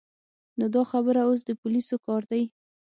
نو دا خبره اوس د پولیسو کار دی.